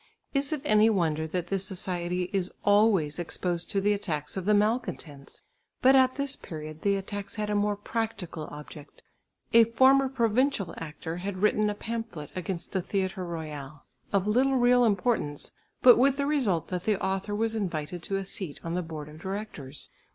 Is it any wonder that this society is always exposed to the attacks of the malcontents? But at this period the attacks had a more practical object. A former provincial actor had written a pamphlet against the Theatre Royal, of little real importance, but with the result that the author was invited to a seat on the board of directors.